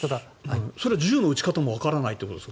それは銃の撃ち方もわからないということですか？